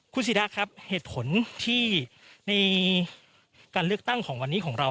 คุณศิราครับเหตุผลที่ในการเลือกตั้งของวันนี้ของเรา